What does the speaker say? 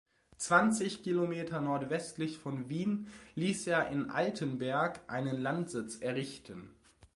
Zwanzig Kilometer nordwestlich von Wien ließ er in Altenberg einen Landsitz errichten.